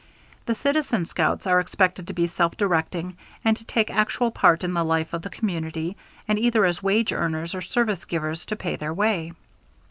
The Citizen Scouts are expected to be self directing and to take actual part in the life of the community and, either as wage earners or service givers, to pay their way.